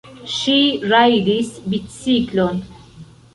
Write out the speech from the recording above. Ŝi rajdis biciklon.